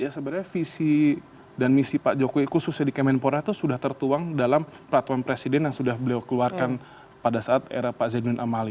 sebenarnya visi dan misi pak jokowi khususnya di kemenpora itu sudah tertuang dalam peraturan presiden yang sudah beliau keluarkan pada saat era pak zainud amali